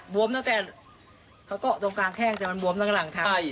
วมตั้งแต่เขาเกาะตรงกลางแข้งแต่มันบวมทั้งหลังทาง